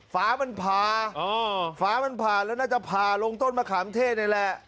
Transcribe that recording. ฟ้ามันผ่าฟ้ามันผ่าแล้วน่าจะผ่าลงต้นมะขามเทศนี่แหละ